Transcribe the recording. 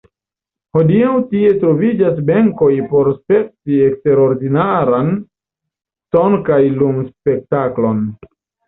Hodiaŭ tie troviĝas benkoj por spekti eksterordinaran son- kaj lum-spektaklon.